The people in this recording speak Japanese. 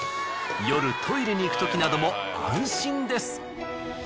夜トイレに行くときなども安心です。